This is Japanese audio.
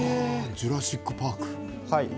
「ジュラシック・パーク」？